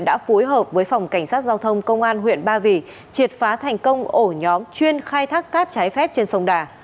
đã phối hợp với phòng cảnh sát giao thông công an huyện ba vì triệt phá thành công ổ nhóm chuyên khai thác cát trái phép trên sông đà